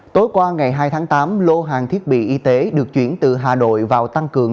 tối qua ngày hai tháng tám lô hàng thiết bị y tế được chuyển từ hà nội vào tăng cường